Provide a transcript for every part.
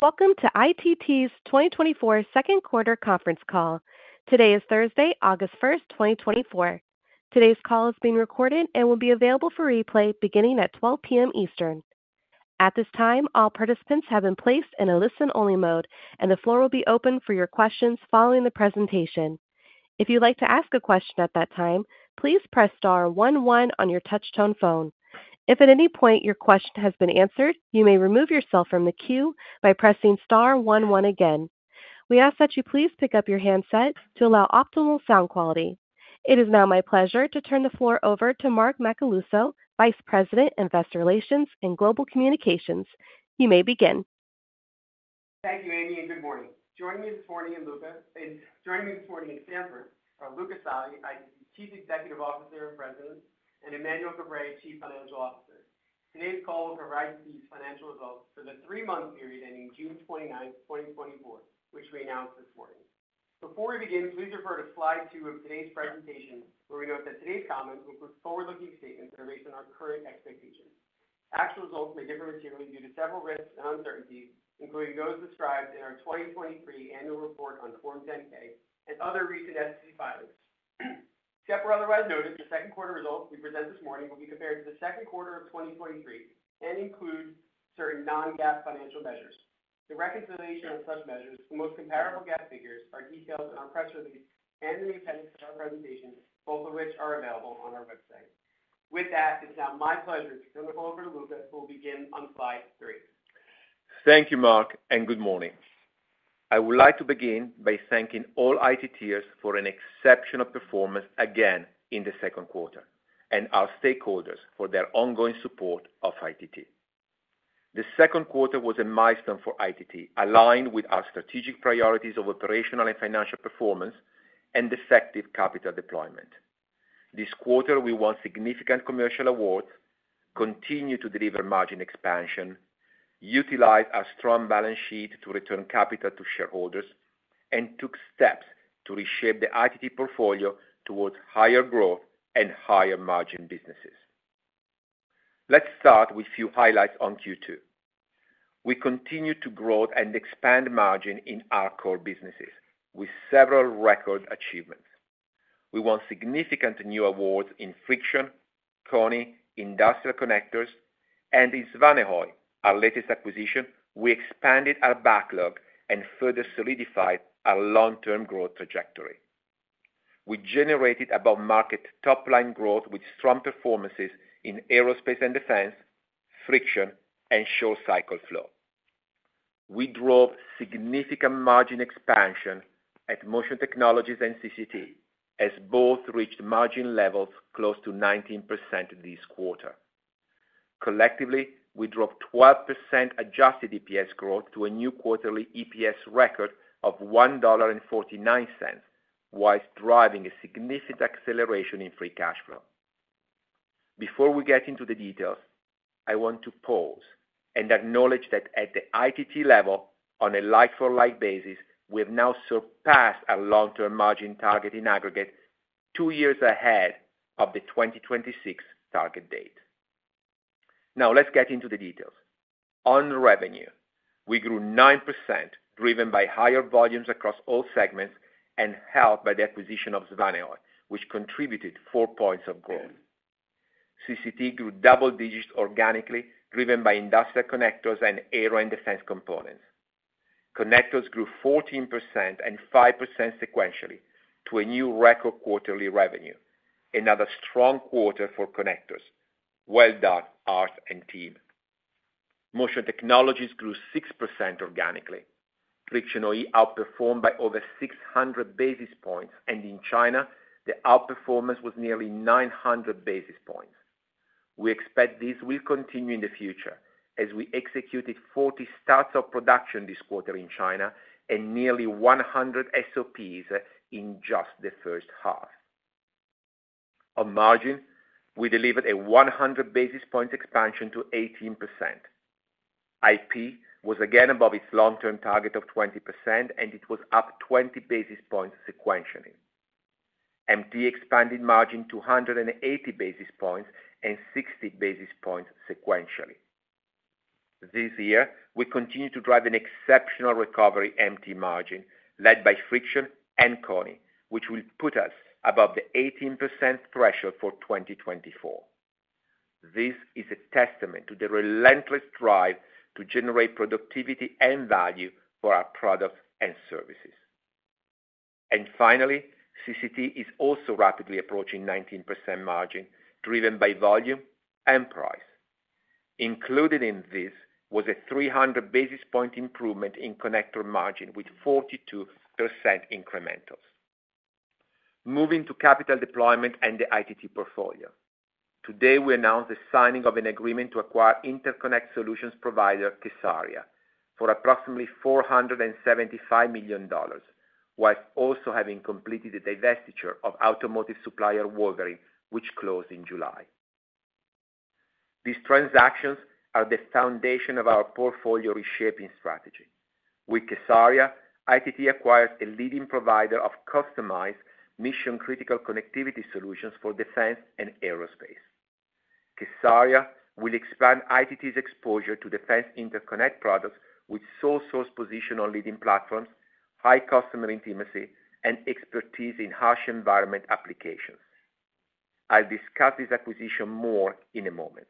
Welcome to ITT's 2024 second quarter conference call. Today is Thursday, August 1st, 2024. Today's call is being recorded and will be available for replay beginning at 12:00 P.M. Eastern. At this time, all participants have been placed in a listen-only mode, and the floor will be open for your questions following the presentation. If you'd like to ask a question at that time, please press star one one on your touch-tone phone. If at any point your question has been answered, you may remove yourself from the queue by pressing star one one again. We ask that you please pick up your handset to allow optimal sound quality. It is now my pleasure to turn the floor over to Mark Macaluso, Vice President, Investor Relations and Global Communications. You may begin. Thank you, Amy, and good morning. Joining me this morning in Stamford are Luca Savi, ITT's Chief Executive Officer and President, and Emmanuel Caprais, Chief Financial Officer. Today's call will cover ITT's financial results for the three-month period ending June 29th, 2024, which we announced this morning. Before we begin, please refer to slide two of today's presentation where we note that today's comments will include forward-looking statements that are based on our current expectations. Actual results may differ materially due to several risks and uncertainties, including those described in our 2023 annual report on Form 10-K and other recent SEC filings. Unless otherwise noted, the second quarter results we present this morning will be compared to the second quarter of 2023 and include certain non-GAAP financial measures. The reconciliation of such measures to the most comparable GAAP figures are detailed in our press release and in the appendix to our presentation, both of which are available on our website. With that, it's now my pleasure to turn the floor over to Luca, who will begin on slide three. Thank you, Mark, and good morning. I would like to begin by thanking all ITTers for an exceptional performance again in the second quarter, and our stakeholders for their ongoing support of ITT. The second quarter was a milestone for ITT, aligned with our strategic priorities of operational and financial performance and effective capital deployment. This quarter, we won significant commercial awards, continued to deliver margin expansion, utilized our strong balance sheet to return capital to shareholders, and took steps to reshape the ITT portfolio towards higher growth and higher margin businesses. Let's start with a few highlights on Q2. We continued to grow and expand margin in our core businesses with several record achievements. We won significant new awards in Friction, KONI, Industrial Connectors, and in Svanehøj, our latest acquisition. We expanded our backlog and further solidified our long-term growth trajectory. We generated above-market top-line growth with strong performances in aerospace and defense, friction, and short-cycle flow. We drove significant margin expansion at Motion Technologies and CCT, as both reached margin levels close to 19% this quarter. Collectively, we drove 12% adjusted EPS growth to a new quarterly EPS record of $1.49, while driving a significant acceleration in free cash flow. Before we get into the details, I want to pause and acknowledge that at the ITT level, on a like-for-like basis, we have now surpassed our long-term margin target in aggregate two years ahead of the 2026 target date. Now, let's get into the details. On revenue, we grew 9%, driven by higher volumes across all segments and helped by the acquisition of Svanehøj, which contributed four points of growth. CCT grew double-digits organically, driven by Industrial Connectors and Aero & Defense components. Connectors grew 14% and 5% sequentially to a new record quarterly revenue, another strong quarter for Connectors. Well done, Art and Team. Motion Technologies grew 6% organically. Friction OE outperformed by over 600 basis points, and in China, the outperformance was nearly 900 basis points. We expect this will continue in the future as we executed 40 starts of production this quarter in China and nearly 100 SOPs in just the first half. On margin, we delivered a 100 basis points expansion to 18%. IP was again above its long-term target of 20%, and it was up 20 basis points sequentially. MT expanded margin to 180 basis points and 60 basis points sequentially. This year, we continue to drive an exceptional recovery MT margin, led by Friction and KONI, which will put us above the 18% threshold for 2024. This is a testament to the relentless drive to generate productivity and value for our products and services. Finally, CCT is also rapidly approaching 19% margin, driven by volume and price. Included in this was a 300 basis point improvement in Connector margin with 42% incrementals. Moving to capital deployment and the ITT portfolio. Today, we announced the signing of an agreement to acquire interconnect solutions provider kSARIA for approximately $475 million, while also having completed the divestiture of automotive supplier Wolverine, which closed in July. These transactions are the foundation of our portfolio reshaping strategy. With kSARIA, ITT acquires a leading provider of customized mission-critical connectivity solutions for defense and aerospace. kSARIA will expand ITT's exposure to defense interconnect products with sole source position on leading platforms, high customer intimacy, and expertise in harsh environment applications. I'll discuss this acquisition more in a moment.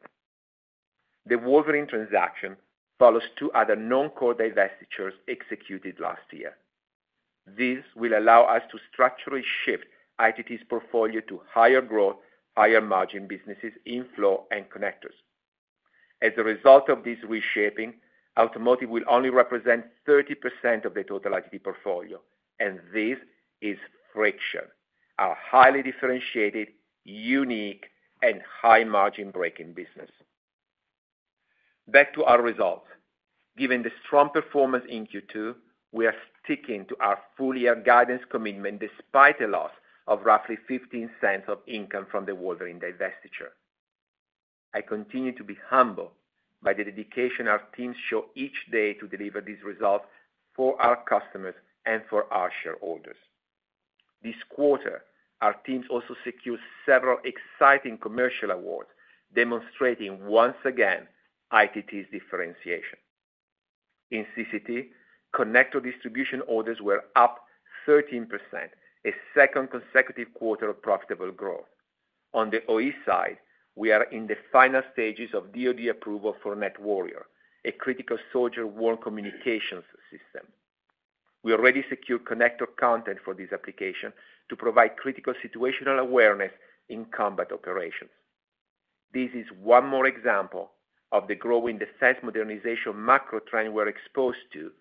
The Wolverine transaction follows two other non-core divestitures executed last year. This will allow us to structurally shift ITT's portfolio to higher growth, higher margin businesses in flow and connectors. As a result of this reshaping, automotive will only represent 30% of the total ITT portfolio, and this is Friction, our highly differentiated, unique, and high-margin braking business. Back to our results. Given the strong performance in Q2, we are sticking to our full-year guidance commitment despite a loss of roughly $0.15 of income from the Wolverine divestiture. I continue to be humbled by the dedication our teams show each day to deliver these results for our customers and for our shareholders. This quarter, our teams also secured several exciting commercial awards, demonstrating once again ITT's differentiation. In CCT, connector distribution orders were up 13%, a second consecutive quarter of profitable growth. On the OE side, we are in the final stages of DOD approval for Nett Warrior, a critical soldier-worn communications system. We already secured connector content for this application to provide critical situational awareness in combat operations. This is one more example of the growing defense modernization macro trend we're exposed to,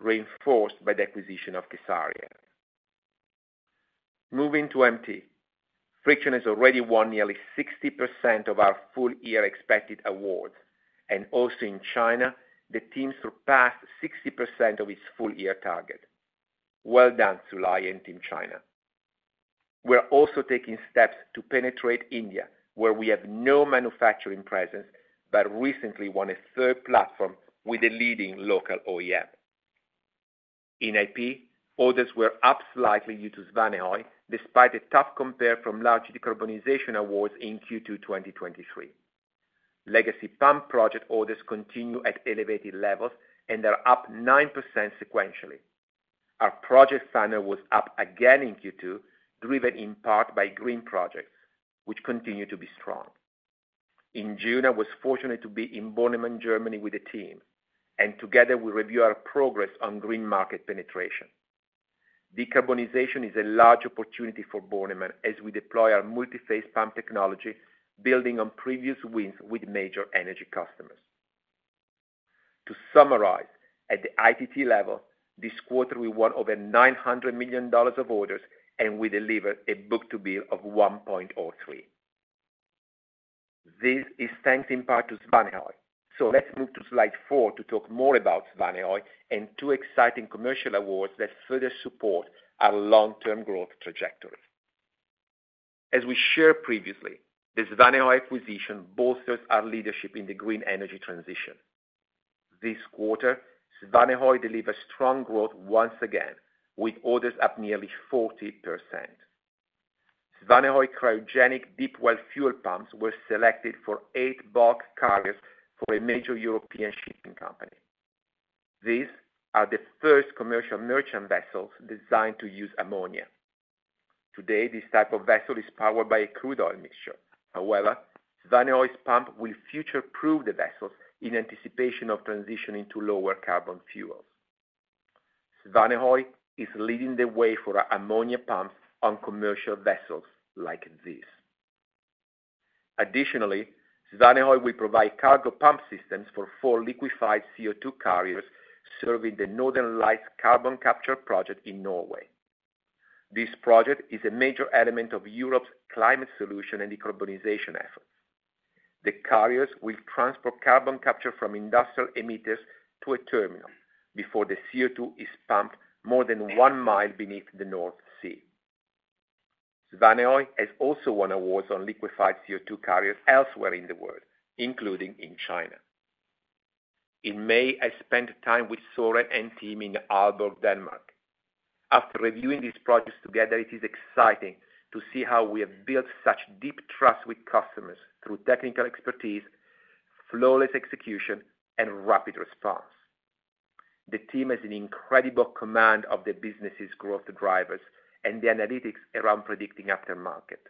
reinforced by the acquisition of kSARIA. Moving to MT, Friction has already won nearly 60% of our full-year expected awards, and also in China, the team surpassed 60% of its full-year target. Well done, Su Lei and Team China. We're also taking steps to penetrate India, where we have no manufacturing presence but recently won a third platform with a leading local OEM. In IP, orders were up slightly due to Svanehøj, despite a tough compare from large decarbonization awards in Q2 2023. Legacy pump project orders continue at elevated levels and are up 9% sequentially. Our project center was up again in Q2, driven in part by green projects, which continue to be strong. In June, I was fortunate to be in Bornemann, Germany, with the team, and together we review our progress on green market penetration. Decarbonization is a large opportunity for Bornemann as we deploy our multi-phase pump technology, building on previous wins with major energy customers. To summarize, at the ITT level, this quarter we won over $900 million of orders, and we delivered a book-to-bill of 1.03. This is thanks in part to Svanehøj, so let's move to slide four to talk more about Svanehøj and two exciting commercial awards that further support our long-term growth trajectory. As we shared previously, the Svanehøj acquisition bolsters our leadership in the green energy transition. This quarter, Svanehøj delivered strong growth once again, with orders up nearly 40%. Svanehøj cryogenic deep well fuel pumps were selected for eight bulk carriers for a major European shipping company. These are the first commercial merchant vessels designed to use ammonia. Today, this type of vessel is powered by a crude oil mixture. However, Svanehøj's pump will future-proof the vessels in anticipation of transitioning to lower carbon fuels. Svanehøj is leading the way for ammonia pumps on commercial vessels like this. Additionally, Svanehøj will provide cargo pump systems for four liquefied CO2 carriers serving the Northern Lights carbon capture project in Norway. This project is a major element of Europe's climate solution and decarbonization efforts. The carriers will transport carbon capture from industrial emitters to a terminal before the CO2 is pumped more than 1 mile beneath the North Sea. Svanehøj has also won awards on liquefied CO2 carriers elsewhere in the world, including in China. In May, I spent time with Soren and team in Aalborg, Denmark. After reviewing these projects together, it is exciting to see how we have built such deep trust with customers through technical expertise, flawless execution, and rapid response. The team has an incredible command of the business's growth drivers and the analytics around predicting aftermarket.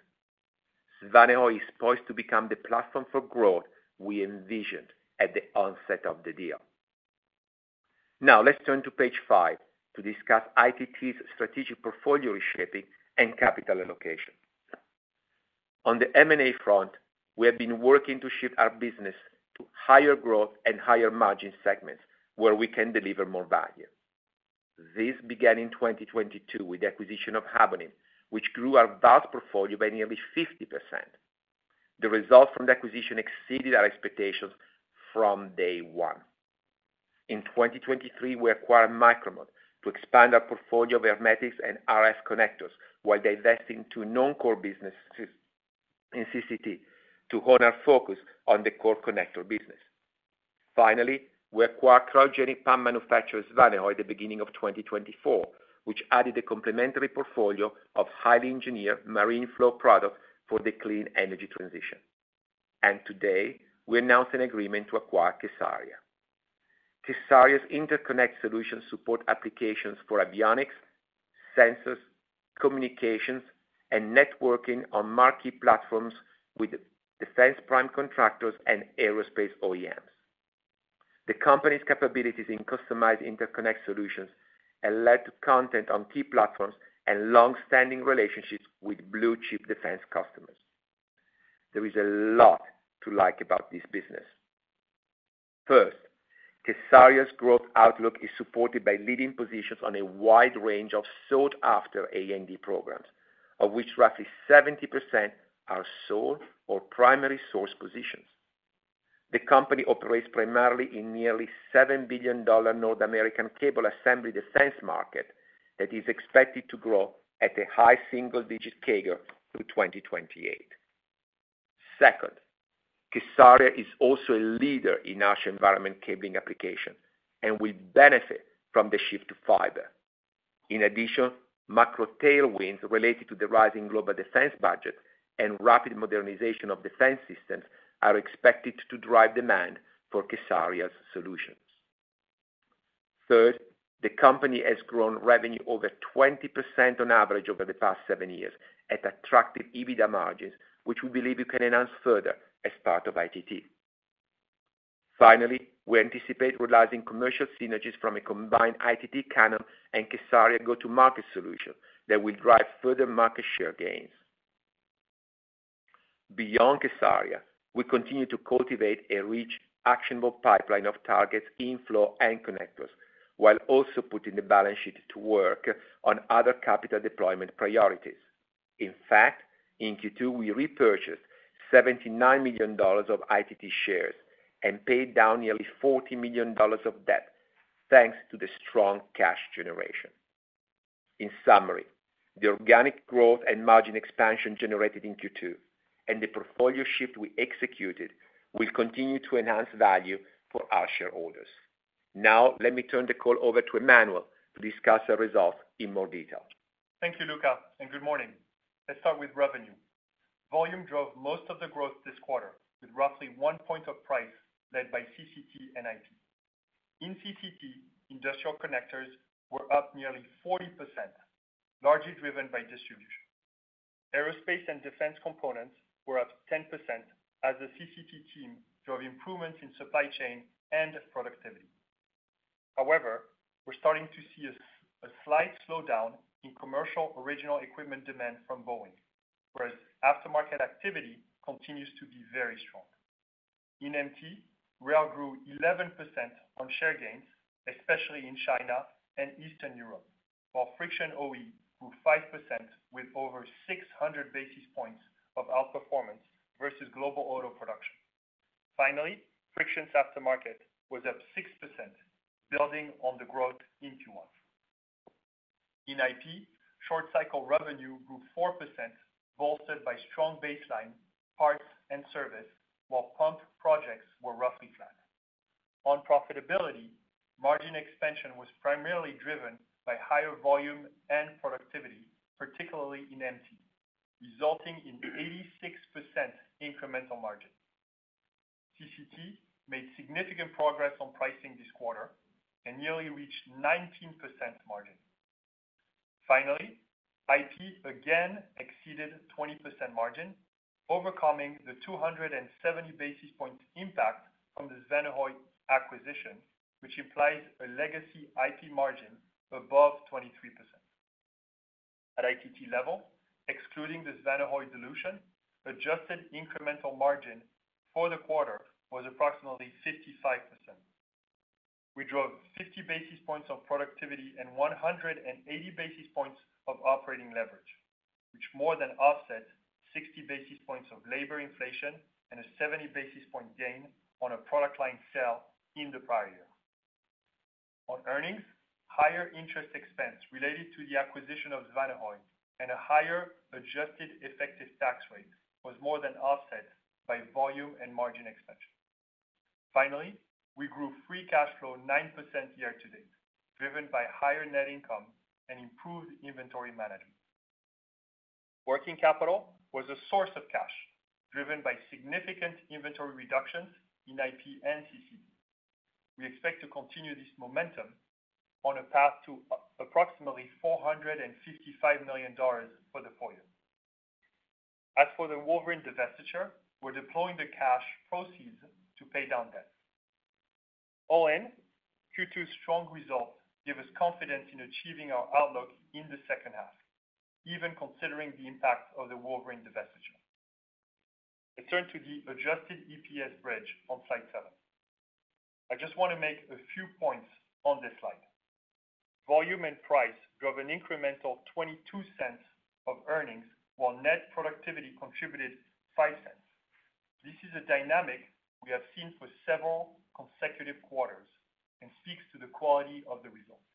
Svanehøj is poised to become the platform for growth we envisioned at the onset of the deal. Now, let's turn to page five to discuss ITT's strategic portfolio reshaping and capital allocation. On the M&A front, we have been working to shift our business to higher growth and higher margin segments where we can deliver more value. This began in 2022 with the acquisition of Habonim, which grew our vast portfolio by nearly 50%. The results from the acquisition exceeded our expectations from day one. In 2023, we acquired Micro-Mode to expand our portfolio of hermetics and RF connectors while divesting two non-core businesses in CCT to hone our focus on the core connector business. Finally, we acquired cryogenic pump manufacturer Svanehøj at the beginning of 2024, which added a complementary portfolio of highly engineered marine flow products for the clean energy transition. And today, we announced an agreement to acquire kSARIA. kSARIA's interconnect solutions support applications for avionics, sensors, communications, and networking on marquee platforms with defense prime contractors and aerospace OEMs. The company's capabilities in customized interconnect solutions have led to content on key platforms and long-standing relationships with blue-chip defense customers. There is a lot to like about this business. First, kSARIA's growth outlook is supported by leading positions on a wide range of sought-after A&D programs, of which roughly 70% are sole or primary source positions. The company operates primarily in nearly $7 billion North American cable assembly defense market that is expected to grow at a high single-digit CAGR through 2028. Second, kSARIA is also a leader in our environmental cabling application and will benefit from the shift to fiber. In addition, macro tailwinds related to the rising global defense budget and rapid modernization of defense systems are expected to drive demand for kSARIA's solutions. Third, the company has grown revenue over 20% on average over the past seven years at attractive EBITDA margins, which we believe you can announce further as part of ITT. Finally, we anticipate realizing commercial synergies from a combined ITT Cannon and kSARIA go-to-market solution that will drive further market share gains. Beyond kSARIA, we continue to cultivate a rich, actionable pipeline of targets, inflow, and connectors, while also putting the balance sheet to work on other capital deployment priorities. In fact, in Q2, we repurchased $79 million of ITT shares and paid down nearly $40 million of debt thanks to the strong cash generation. In summary, the organic growth and margin expansion generated in Q2 and the portfolio shift we executed will continue to enhance value for our shareholders. Now, let me turn the call over to Emmanuel to discuss our results in more detail. Thank you, Luca, and good morning. Let's start with revenue. Volume drove most of the growth this quarter with roughly 1 point of price led by CCT and IP. In CCT, industrial connectors were up nearly 40%, largely driven by distribution. Aerospace and defense components were up 10% as the CCT team drove improvements in supply chain and productivity. However, we're starting to see a slight slowdown in commercial original equipment demand from Boeing, whereas aftermarket activity continues to be very strong. In MT, Rail grew 11% on share gains, especially in China and Eastern Europe, while Friction OE grew 5% with over 600 basis points of outperformance versus global auto production. Finally, Friction's aftermarket was up 6%, building on the growth in Q1. In IP, short-cycle revenue grew 4%, bolstered by strong baseline parts and service, while pump projects were roughly flat. On profitability, margin expansion was primarily driven by higher volume and productivity, particularly in MT, resulting in 86% incremental margin. CCT made significant progress on pricing this quarter and nearly reached 19% margin. Finally, IP again exceeded 20% margin, overcoming the 270 basis point impact from the Svanehøj acquisition, which implies a legacy IP margin above 23%. At ITT level, excluding the Svanehøj dilution, adjusted incremental margin for the quarter was approximately 55%. We drove 50 basis points of productivity and 180 basis points of operating leverage, which more than offsets 60 basis points of labor inflation and a 70 basis point gain on a product line sale in the prior year. On earnings, higher interest expense related to the acquisition of Svanehøj and a higher adjusted effective tax rate was more than offset by volume and margin expansion. Finally, we grew free cash flow 9% year to date, driven by higher net income and improved inventory management. Working capital was a source of cash, driven by significant inventory reductions in IP and CCT. We expect to continue this momentum on a path to approximately $455 million for the year. As for the Wolverine divestiture, we're deploying the cash proceeds to pay down debt. All in, Q2's strong results give us confidence in achieving our outlook in the second half, even considering the impact of the Wolverine divestiture. Let's turn to the adjusted EPS bridge on slide seven. I just want to make a few points on this slide. Volume and price drove an incremental $0.22 of earnings, while net productivity contributed $0.05. This is a dynamic we have seen for several consecutive quarters and speaks to the quality of the results.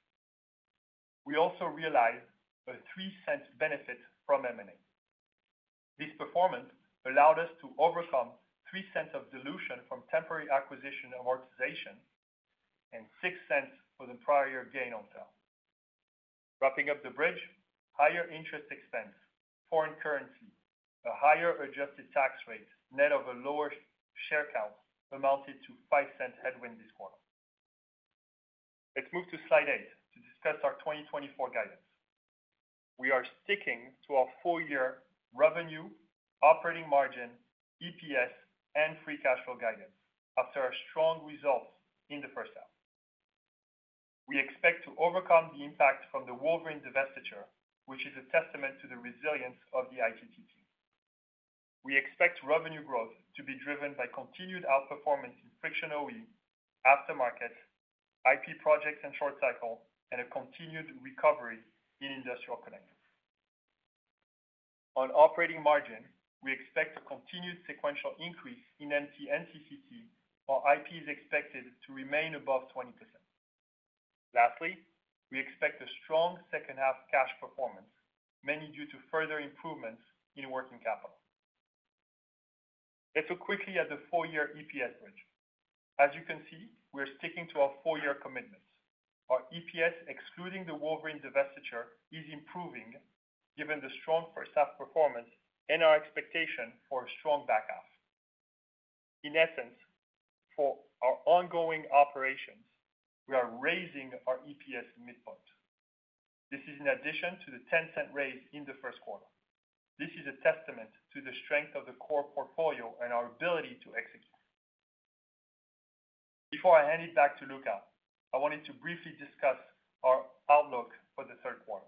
We also realized a $0.03 benefit from M&A. This performance allowed us to overcome $0.03 of dilution from temporary acquisition amortization and $0.06 for the prior year gain on sale. Wrapping up the bridge, higher interest expense, foreign currency, a higher adjusted tax rate, net of a lower share count amounted to $0.05 headwind this quarter. Let's move to slide 8 to discuss our 2024 guidance. We are sticking to our full-year revenue, operating margin, EPS, and free cash flow guidance after our strong results in the first half. We expect to overcome the impact from the Wolverine divestiture, which is a testament to the resilience of the ITT team. We expect revenue growth to be driven by continued outperformance in Friction OE, aftermarket, IP projects and short cycle, and a continued recovery in industrial connectors. On operating margin, we expect a continued sequential increase in MT and CCT, while IP is expected to remain above 20%. Lastly, we expect a strong second half cash performance, mainly due to further improvements in working capital. Let's look quickly at the full-year EPS bridge. As you can see, we are sticking to our full-year commitments. Our EPS, excluding the Wolverine divestiture, is improving given the strong first half performance and our expectation for a strong back half. In essence, for our ongoing operations, we are raising our EPS midpoint. This is in addition to the $0.10 raise in the first quarter. This is a testament to the strength of the core portfolio and our ability to execute. Before I hand it back to Luca, I wanted to briefly discuss our outlook for the third quarter.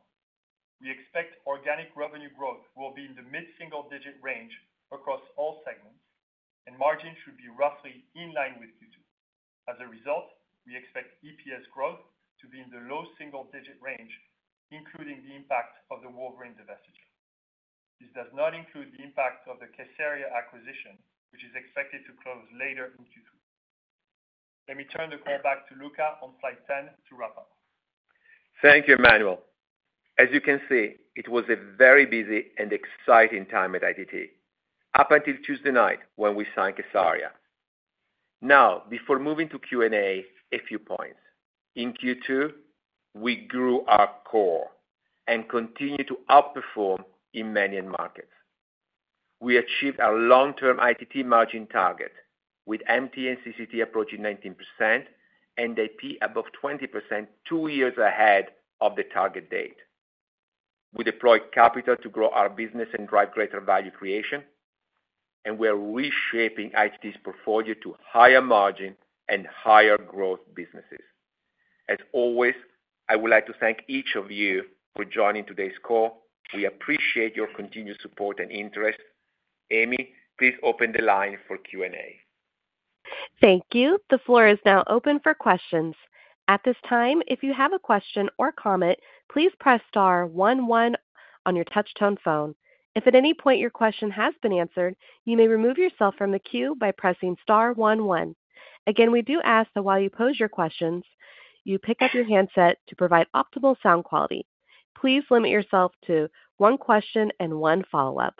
We expect organic revenue growth will be in the mid-single digit range across all segments, and margin should be roughly in line with Q2. As a result, we expect EPS growth to be in the low single digit range, including the impact of the Wolverine divestiture. This does not include the impact of the kSARIA acquisition, which is expected to close later in Q2. Let me turn the call back to Luca on slide 10 to wrap up. Thank you, Emmanuel. As you can see, it was a very busy and exciting time at ITT up until Tuesday night when we signed kSARIA. Now, before moving to Q&A, a few points. In Q2, we grew our core and continued to outperform in many markets. We achieved our long-term ITT margin target with MT and CCT approaching 19% and IP above 20% two years ahead of the target date. We deployed capital to grow our business and drive greater value creation, and we are reshaping ITT's portfolio to higher margin and higher growth businesses. As always, I would like to thank each of you for joining today's call. We appreciate your continued support and interest. Amy, please open the line for Q&A. Thank you. The floor is now open for questions. At this time, if you have a question or comment, please press star one one on your touch-tone phone. If at any point your question has been answered, you may remove yourself from the queue by pressing star one one. Again, we do ask that while you post your questions, you pick up your handset to provide optimal sound quality. Please limit yourself to one question and one follow-up.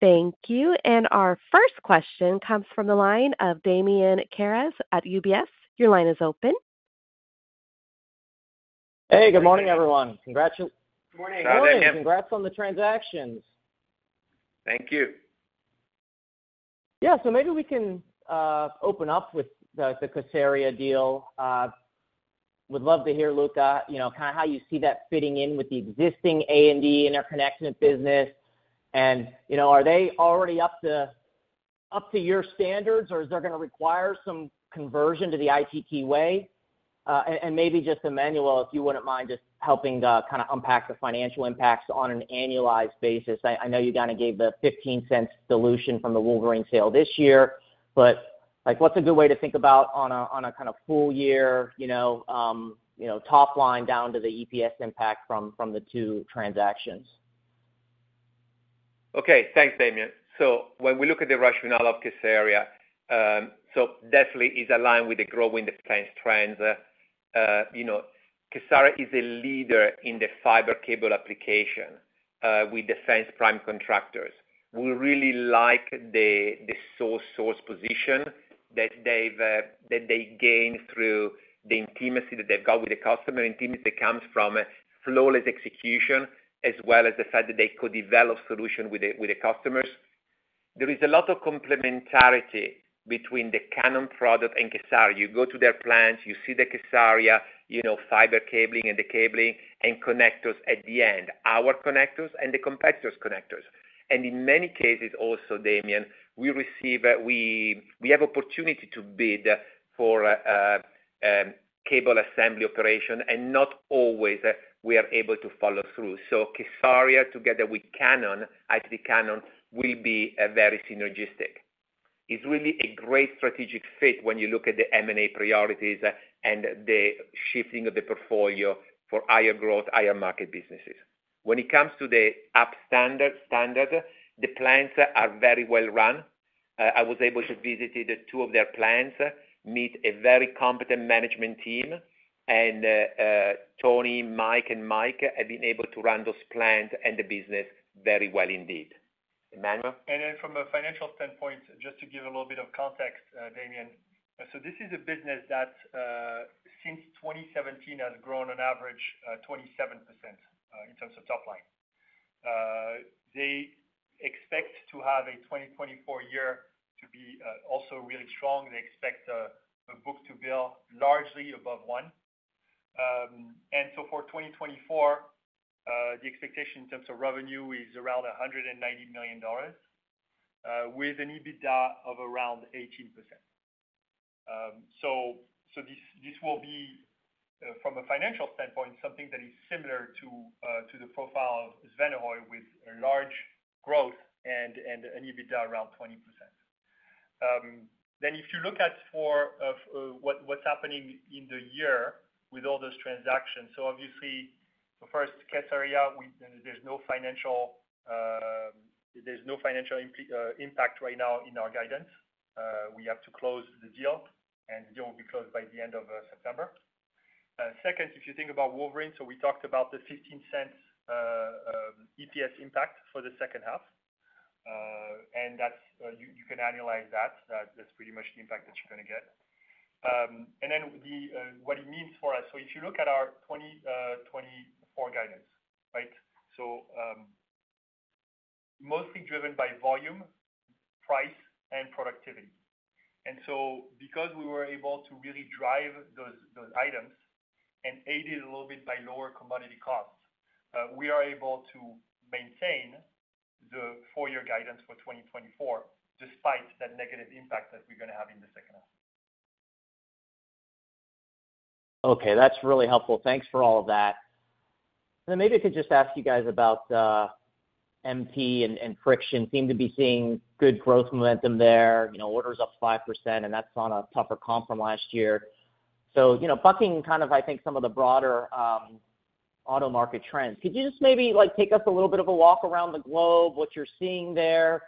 Thank you. Our first question comes from the line of Damian Karas at UBS. Your line is open. Hey, good morning, everyone. Congratulations. Good morning. Congrats on the transactions. Thank you. Yeah, so maybe we can open up with the kSARIA deal. Would love to hear, Luca, kind of how you see that fitting in with the existing A&D interconnect business. And are they already up to your standards, or is there going to require some conversion to the ITT way? And maybe just Emmanuel, if you wouldn't mind just helping to kind of unpack the financial impacts on an annualized basis. I know you kind of gave the $0.15 dilution from the Wolverine sale this year, but what's a good way to think about on a kind of full-year top line down to the EPS impact from the two transactions? Okay, thanks, Damian. So when we look at the rationale of kSARIA, so definitely it's aligned with the growing defense trends. kSARIA is a leader in the fiber cable application with defense prime contractors. We really like the sole source position that they gained through the intimacy that they've got with the customer. Intimacy that comes from flawless execution as well as the fact that they could develop solutions with the customers. There is a lot of complementarity between the Cannon product and kSARIA. You go to their plants, you see the kSARIA fiber cabling and the cabling and connectors at the end, our connectors and the competitors' connectors. And in many cases also, Damian, we have opportunity to bid for cable assembly operation, and not always we are able to follow through. So kSARIA together with Cannon, ITT Cannon, will be very synergistic. It's really a great strategic fit when you look at the M&A priorities and the shifting of the portfolio for higher growth, higher margin businesses. When it comes to the upside and the standard, the plants are very well run. I was able to visit two of their plants, meet a very competent management team, and Tony, Mike, and Mike have been able to run those plants and the business very well indeed. Emmanuel? Then from a financial standpoint, just to give a little bit of context, Damian, so this is a business that since 2017 has grown on average 27% in terms of top line. They expect to have a 2024 year to be also really strong. They expect a book-to-bill largely above 1. And so for 2024, the expectation in terms of revenue is around $190 million with an EBITDA of around 18%. So this will be, from a financial standpoint, something that is similar to the profile of Svanehøj with large growth and an EBITDA around 20%. Then if you look at what's happening in the year with all those transactions, so obviously, first, kSARIA, there's no financial impact right now in our guidance. We have to close the deal, and the deal will be closed by the end of September. Second, if you think about Wolverine, so we talked about the $0.15 EPS impact for the second half, and you can analyze that. That's pretty much the impact that you're going to get. And then what it means for us, so if you look at our 2024 guidance, right, so mostly driven by volume, price, and productivity. And so because we were able to really drive those items and aided a little bit by lower commodity costs, we are able to maintain the full-year guidance for 2024 despite that negative impact that we're going to have in the second half. Okay, that's really helpful. Thanks for all of that. And then maybe I could just ask you guys about MT and Friction. Seem to be seeing good growth momentum there, orders up 5%, and that's on a tougher comp from last year. So bucking kind of, I think, some of the broader auto market trends, could you just maybe take us a little bit of a walk around the globe, what you're seeing there,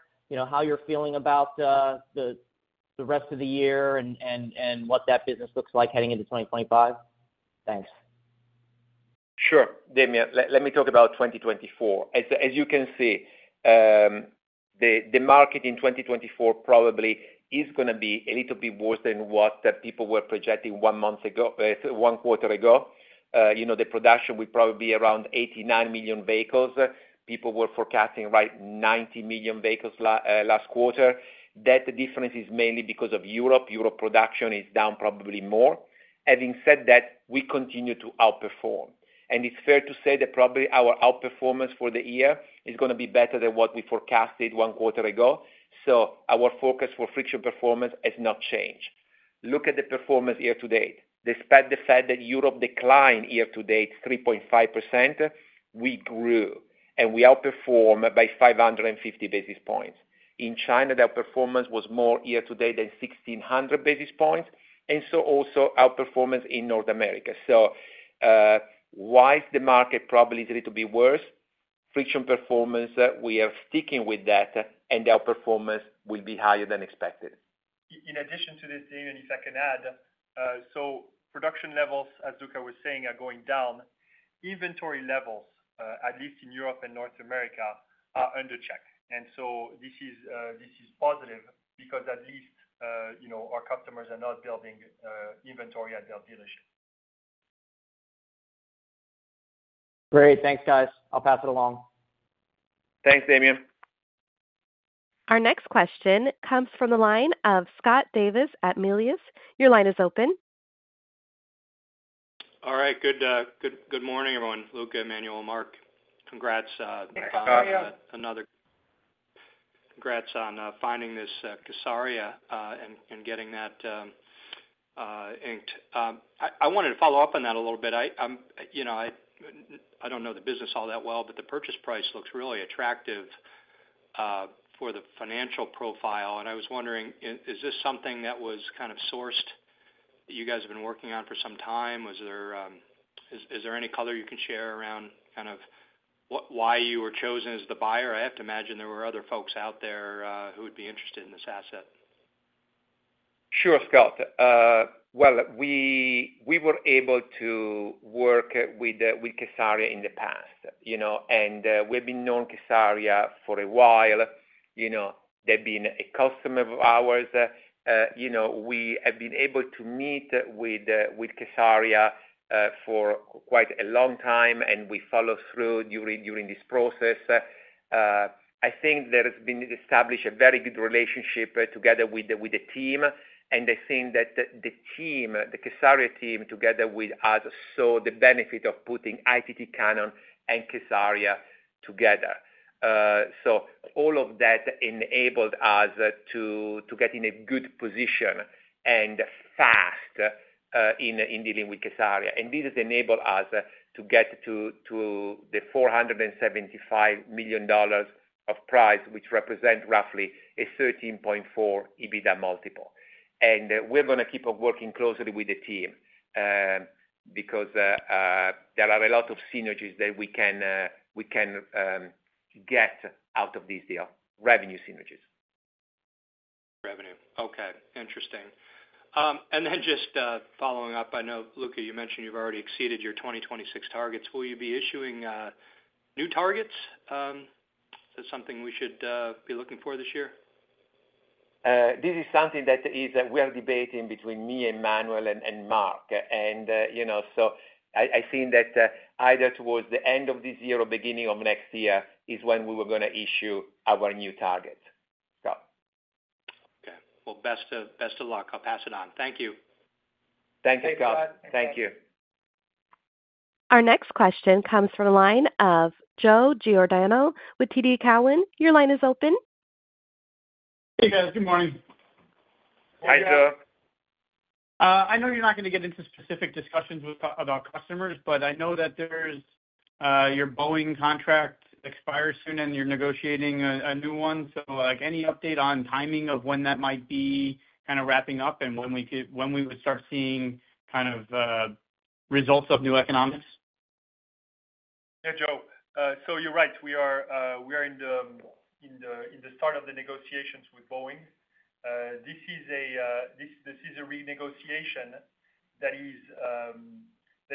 how you're feeling about the rest of the year and what that business looks like heading into 2025? Thanks. Sure. Damian, let me talk about 2024. As you can see, the market in 2024 probably is going to be a little bit worse than what people were projecting one quarter ago. The production will probably be around 89 million vehicles. People were forecasting right, 90 million vehicles last quarter. That difference is mainly because of Europe. Europe production is down probably more. Having said that, we continue to outperform. And it's fair to say that probably our outperformance for the year is going to be better than what we forecasted one quarter ago. So our focus for Friction performance has not changed. Look at the performance year to date. Despite the fact that Europe declined year to date 3.5%, we grew, and we outperformed by 550 basis points. In China, their performance was more year to date than 1,600 basis points. And so also our performance in North America. So why is the market probably a little bit worse? Friction performance, we are sticking with that, and our performance will be higher than expected. In addition to this, Damian, if I can add, so production levels, as Luca was saying, are going down. Inventory levels, at least in Europe and North America, are under check. And so this is positive because at least our customers are not building inventory at their dealership. Great. Thanks, guys. I'll pass it along. Thanks, Damian. Our next question comes from the line of Scott Davis at Melius. Your line is open. All right. Good morning, everyone. Luca, Emmanuel, Mark, congrats on finding this kSARIA and getting that inked. I wanted to follow up on that a little bit. I don't know the business all that well, but the purchase price looks really attractive for the financial profile. And I was wondering, is this something that was kind of sourced that you guys have been working on for some time? Is there any color you can share around kind of why you were chosen as the buyer? I have to imagine there were other folks out there who would be interested in this asset. Sure, Scott. Well, we were able to work with kSARIA in the past. And we've known kSARIA for a while. They've been a customer of ours. We have been able to meet with kSARIA for quite a long time, and we followed through during this process. I think there has been established a very good relationship together with the team. I think that the team, the kSARIA team, together with us, saw the benefit of putting ITT Cannon and kSARIA together. So all of that enabled us to get in a good position and fast in dealing with kSARIA. And this has enabled us to get to the $475 million price, which represents roughly a 13.4x EBITDA multiple. And we're going to keep on working closely with the team because there are a lot of synergies that we can get out of this deal, revenue synergies. Revenue. Okay. Interesting. And then just following up, I know, Luca, you mentioned you've already exceeded your 2026 targets. Will you be issuing new targets? Is that something we should be looking for this year? This is something that we are debating between me and Emmanuel and Mark. So I think that either towards the end of this year or beginning of next year is when we were going to issue our new targets. Okay. Well, best of luck. I'll pass it on. Thank you. Thank you, Scott. Thank you. Our next question comes from the line of Joe Giordano with TD Cowen. Your line is open. Hey, guys. Good morning. Hi, Joe. I know you're not going to get into specific discussions with our customers, but I know that your Boeing contract expires soon, and you're negotiating a new one. So any update on timing of when that might be kind of wrapping up and when we would start seeing kind of results of new economics? Yeah, Joe. So you're right. We are in the start of the negotiations with Boeing. This is a renegotiation that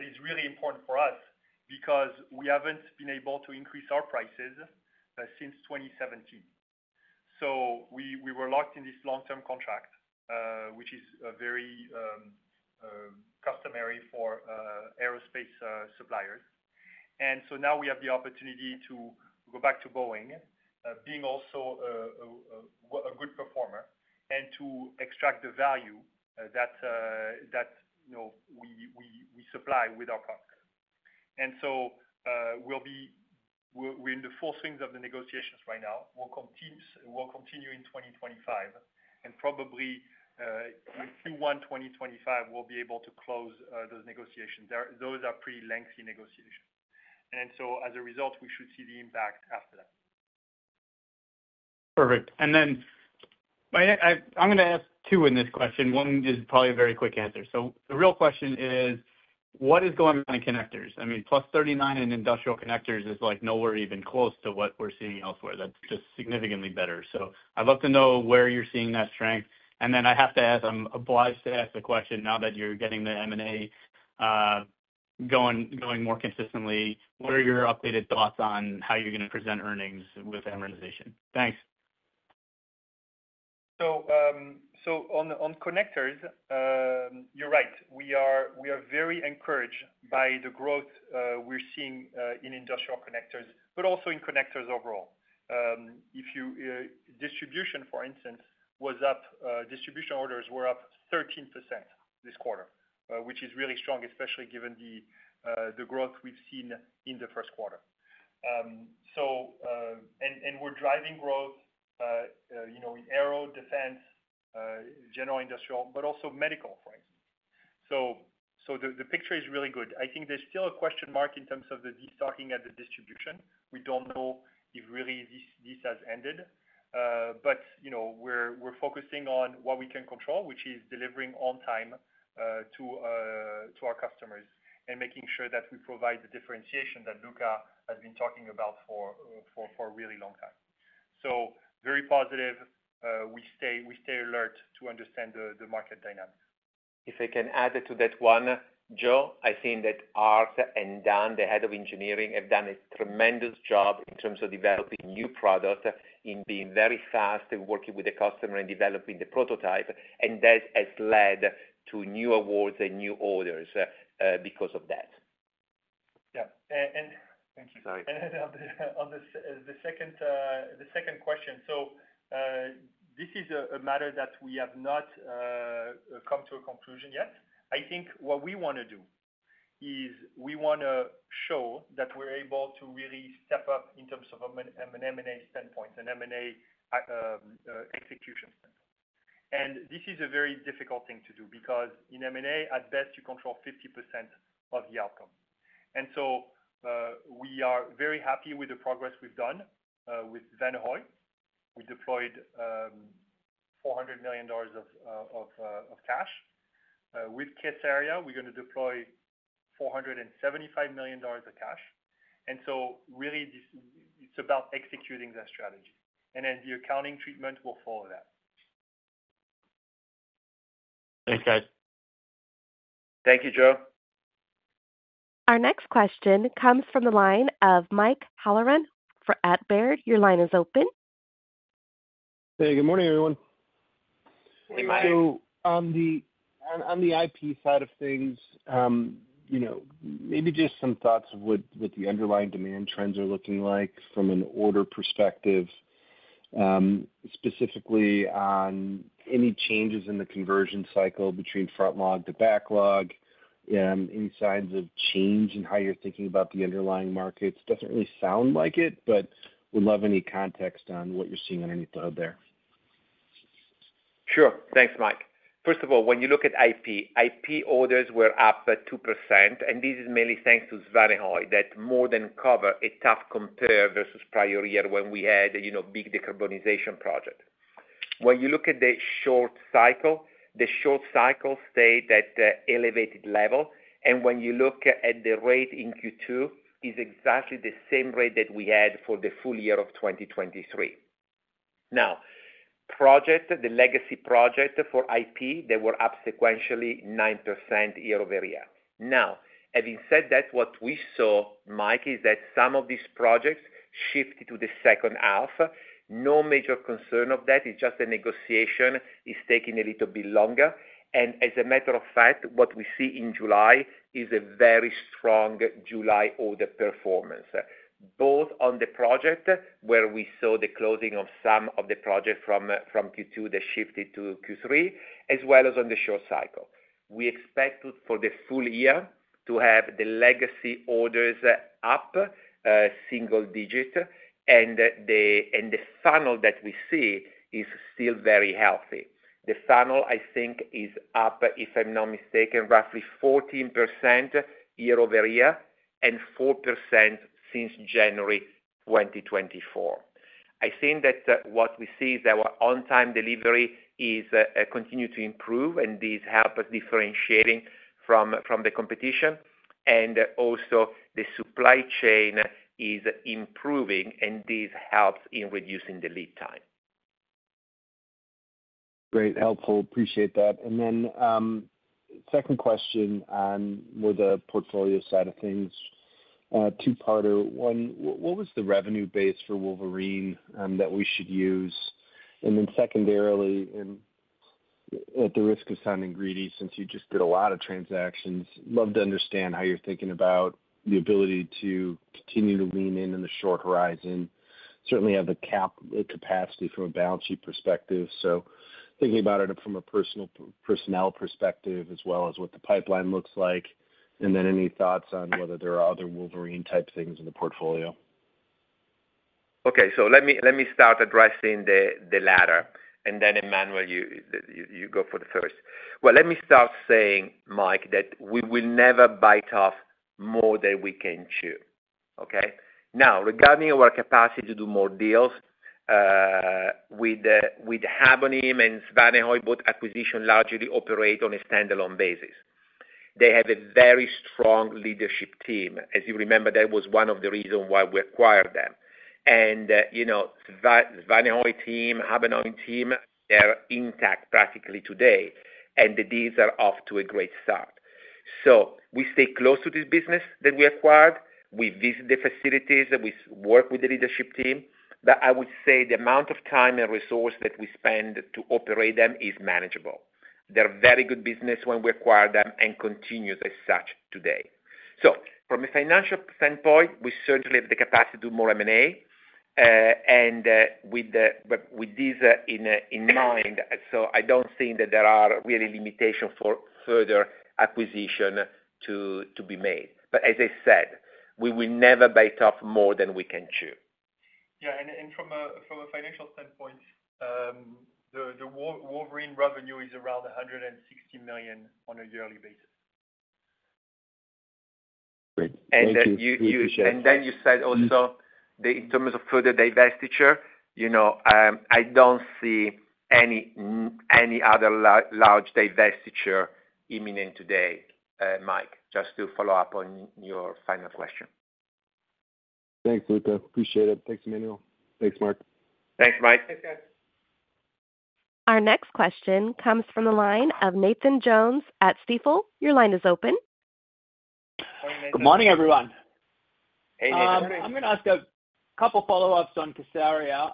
is really important for us because we haven't been able to increase our prices since 2017. So we were locked in this long-term contract, which is very customary for aerospace suppliers. And so now we have the opportunity to go back to Boeing, being also a good performer, and to extract the value that we supply with our products. And so we're in the full swing of the negotiations right now. We'll continue in 2025. And probably Q1 2025, we'll be able to close those negotiations. Those are pretty lengthy negotiations. And so as a result, we should see the impact after that. Perfect. And then I'm going to ask two in this question. One is probably a very quick answer. So the real question is, what is going on in connectors? I mean, +39% in industrial connectors is nowhere even close to what we're seeing elsewhere. That's just significantly better. So I'd love to know where you're seeing that strength. And then I have to ask, I'm obliged to ask the question now that you're getting the M&A going more consistently. What are your updated thoughts on how you're going to present earnings with amortization? Thanks. So on connectors, you're right. We are very encouraged by the growth we're seeing in industrial connectors, but also in connectors overall. Distribution, for instance, was up. Distribution orders were up 13% this quarter, which is really strong, especially given the growth we've seen in the first quarter. And we're driving growth in aero defense, general industrial, but also medical, for instance. So the picture is really good. I think there's still a question mark in terms of the de-stocking at the distribution. We don't know if really this has ended. But we're focusing on what we can control, which is delivering on time to our customers and making sure that we provide the differentiation that Luca has been talking about for a really long time. So very positive. We stay alert to understand the market dynamics. If I can add to that one, Joe, I think that Art and Dan, the head of engineering, have done a tremendous job in terms of developing new products, in being very fast in working with the customer and developing the prototype. And that has led to new awards and new orders because of that. Thank you. Sorry. And on the second question, so this is a matter that we have not come to a conclusion yet. I think what we want to do is we want to show that we're able to really step up in terms of an M&A standpoint, an M&A execution standpoint. This is a very difficult thing to do because in M&A, at best, you control 50% of the outcome. So we are very happy with the progress we've done with Svanehøj. We deployed $400 million of cash. With kSARIA, we're going to deploy $475 million of cash. So really, it's about executing that strategy. And then the accounting treatment will follow that. Thanks, guys. Thank you, Joe. Our next question comes from the line of Mike Halloran at Baird. Your line is open. Hey, good morning, everyone. Hey, Mike. So on the IP side of things, maybe just some thoughts of what the underlying demand trends are looking like from an order perspective, specifically on any changes in the conversion cycle between front log to back log, any signs of change in how you're thinking about the underlying markets. Doesn't really sound like it, but would love any context on what you're seeing underneath the hood there. Sure. Thanks, Mike. First of all, when you look at IP, IP orders were up 2%. And this is mainly thanks to Svanehøj that more than cover a tough compare versus prior year when we had a big decarbonization project. When you look at the short cycle, the short cycle stayed at the elevated level. And when you look at the rate in Q2, it's exactly the same rate that we had for the full year of 2023. Now, the legacy projects for IP, they were up sequentially 9% year-over-year. Now, having said that, what we saw, Mike, is that some of these projects shifted to the second half. No major concern of that. It's just the negotiation is taking a little bit longer. And as a matter of fact, what we see in July is a very strong July order performance, both on the project where we saw the closing of some of the projects from Q2 that shifted to Q3, as well as on the short-cycle. We expected for the full year to have the legacy orders up single digit. And the funnel that we see is still very healthy. The funnel, I think, is up, if I'm not mistaken, roughly 14% year-over-year and 4% since January 2024. I think that what we see is our on-time delivery is continuing to improve, and this helps us differentiate from the competition. Also, the supply chain is improving, and this helps in reducing the lead time. Great. Helpful. Appreciate that. Then second question on more the portfolio side of things, two-parter. One, what was the revenue base for Wolverine that we should use? And then secondarily, at the risk of sounding greedy, since you just did a lot of transactions, I'd love to understand how you're thinking about the ability to continue to lean in in the short horizon. Certainly, have the capital capacity from a balance sheet perspective. So thinking about it from a personnel perspective as well as what the pipeline looks like. And then any thoughts on whether there are other Wolverine-type things in the portfolio? Okay. So let me start addressing the latter. And then, Emmanuel, you go for the first. Well, let me start saying, Mike, that we will never bite off more than we can chew. Okay? Now, regarding our capacity to do more deals, we have an immense Svanehøj acquisition largely operate on a standalone basis. They have a very strong leadership team. As you remember, that was one of the reasons why we acquired them. And the Svanehøj team, Habonim team, they're intact practically today. And these are off to a great start. So we stay close to this business that we acquired. We visit the facilities. We work with the leadership team. But I would say the amount of time and resource that we spend to operate them is manageable. They're a very good business when we acquired them and continue as such today. So from a financial standpoint, we certainly have the capacity to do more M&A. And with this in mind, so I don't think that there are really limitations for further acquisition to be made. But as I said, we will never bite off more than we can chew. Yeah. And from a financial standpoint, the Wolverine revenue is around $160 million on a yearly basis. Great. Thank you. And then you said also that in terms of further divestiture, I don't see any other large divestiture imminent today, Mike, just to follow up on your final question. Thanks, Luca. Appreciate it. Thanks, Emmanuel. Thanks, Mark. Thanks, Mike. Our next question comes from the line of Nathan Jones at Stifel. Your line is open. Good morning, everyone. Hey, Nathan. I'm going to ask a couple of follow-ups on kSARIA.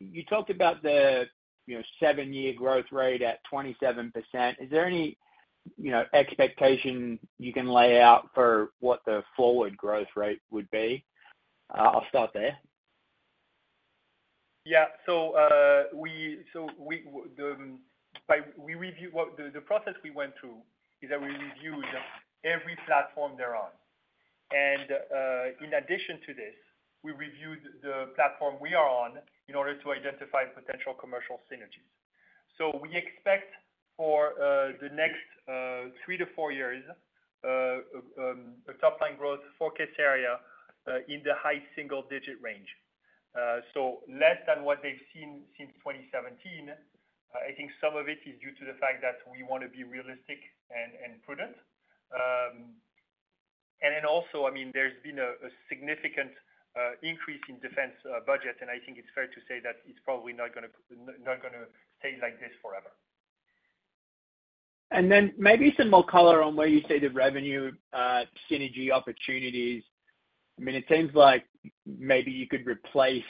You talked about the seven-year growth rate at 27%. Is there any expectation you can lay out for what the forward growth rate would be? I'll start there. Yeah. The process we went through is that we reviewed every platform they're on. In addition to this, we reviewed the platform we are on in order to identify potential commercial synergies. We expect for the next three to four years, a top-line growth for kSARIA in the high single-digit range. Less than what they've seen since 2017. I think some of it is due to the fact that we want to be realistic and prudent. Then also, I mean, there's been a significant increase in defense budget. I think it's fair to say that it's probably not going to stay like this forever. Then maybe some more color on where you see the revenue synergy opportunities. I mean, it seems like maybe you could replace